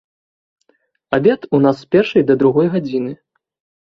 Абед у нас з першай да другой гадзіны.